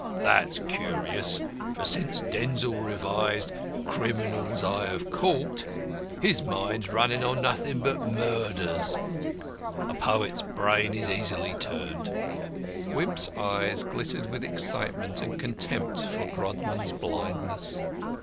That's curious, for since Denzil revised Criminals I have Caught, his mind's running on nothing but murders. A poet's brain is easily turned." Wimp's eye glittered with excitement and contempt for Grodman's blindness.